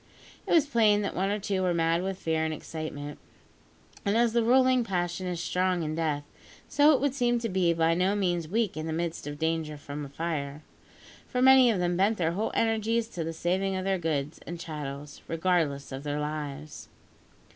It was plain that one or two were mad with fear and excitement; and as the ruling passion is strong in death, so it would seem to be by no means weak in the midst of danger from fire; for many of them bent their whole energies to the saving of their goods and chattels regardless of their lives.